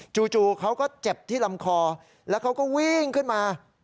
เขาก็เจ็บที่ลำคอแล้วเขาก็วิ่งขึ้นมา